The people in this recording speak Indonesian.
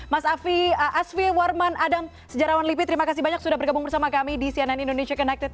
mas asfi warman adam sejarawan lipi terima kasih banyak sudah bergabung bersama kami di cnn indonesia connected